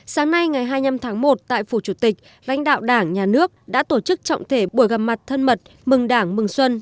sáng nay ngày hai mươi năm tháng một tại phủ chủ tịch lãnh đạo đảng nhà nước đã tổ chức trọng thể buổi gặp mặt thân mật mừng đảng mừng xuân